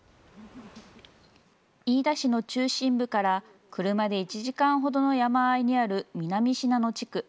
飯田市の中心部から車で１時間ほどの山あいにある南信濃地区。